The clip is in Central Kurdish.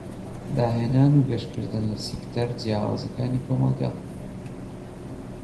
داهێنان و گەشکردن لە سیکتەر جیاوازەکانی کۆمەلگا.